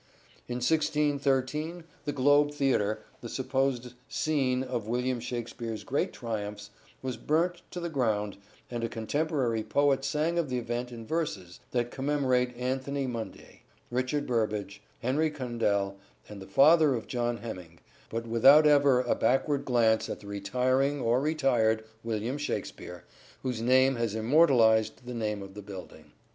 In 1613 the Globe Theatre, the supposed scene of William Shakspere's great triumphs, was burnt to the ground, and a contemporary poet sang of the event in verses that commemorate Anthony Munday, THE STRATFORDIAN VIEW 83 Richard Burbage, Henry Condell, and the father of John Heminge, but without ever a backward glance at the retiring or retired William Shakspere whose name has immortalized the name of the building.